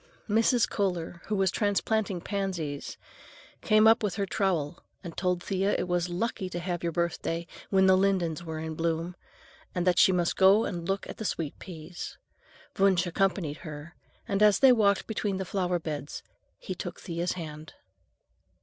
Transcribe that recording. Mrs. Kohler, who was transplanting pansies, came up with her trowel and told Thea it was lucky to have your birthday when the lindens were in bloom, and that she must go and look at the sweet peas. Wunsch accompanied her, and as they walked between the flower beds he took Thea's hand.